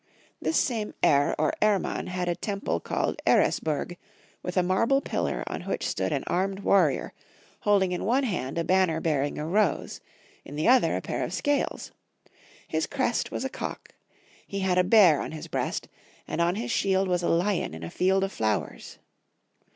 This same Er or Erman liad a temple called Eresburg, with a marble pillar on which stood an armed warrior holdhig in one hand a banner bearing a rose, in the other a pair of scales; his crest was a cock ; he had a bear on his breast, and on his shield was a lion in a field of flowers.